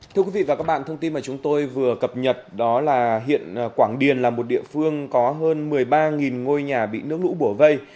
thưa quý vị và các bạn thông tin mà chúng tôi vừa cập nhật đó là hiện quảng điền là một địa phương có hơn một mươi ba ngôi nhà bị nước lũ bổ vây